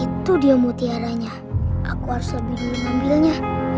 itu dia mutiaranya aku harus lebih dulu ngambilnya